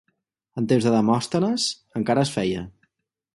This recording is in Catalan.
En temps de Demòstenes encara es feia.